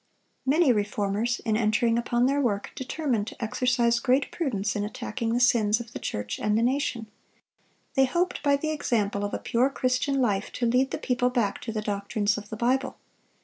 Many reformers, in entering upon their work, determined to exercise great prudence in attacking the sins of the church and the nation. They hoped, by the example of a pure Christian life, to lead the people back to the doctrines of the Bible.